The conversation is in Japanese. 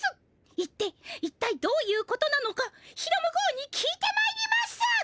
行っていったいどういうことなのか一六六・五に聞いてまいります！